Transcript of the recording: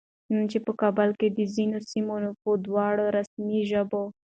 نن چې په کابل کې د ځینو سیمو نومونه په دواړو رسمي ژبو